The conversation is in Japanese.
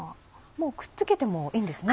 もうくっつけてもいいんですね。